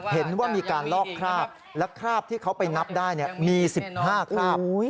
เห็นว่ามีการลอกคราบและคราบที่เขาไปนับได้มี๑๕คราบ